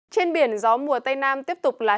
trên biển gió mùa tây nam tiếp tục là hiệu quả